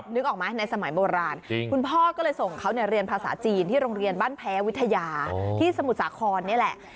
นึกออกไหมในสมัยโบราณคุณพ่อก็เลยส่งเขาเรียนภาษาจีนที่โรงเรียนบ้านแพ้วิทยาที่สมุทรสาครนี่แหละ